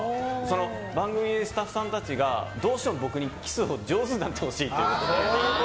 番組スタッフさんたちがどうしても僕にキスを上手になってほしいってことで。